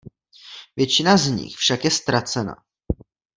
Většina z nich však je ztracena.